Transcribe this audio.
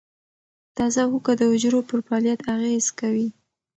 تازه هوږه د حجرو پر فعالیت اغېز کوي.